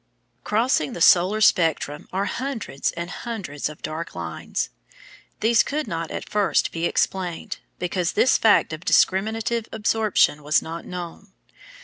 Crossing the solar spectrum are hundreds and hundreds of dark lines. These could not at first be explained, because this fact of discriminative absorption was not known.